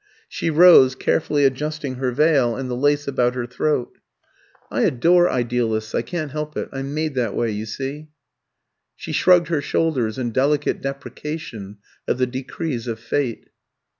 She rose, carefully adjusting her veil and the lace about her throat. "I adore idealists I can't help it; I'm made that way, you see." She shrugged her shoulders, in delicate deprecation of the decrees of Fate.